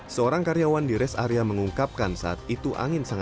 seorang karyawan di rest area mengungkapkan saat itu angin sangat